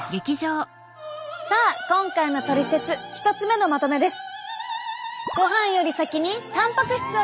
さあ今回のトリセツ１つ目のまとめです。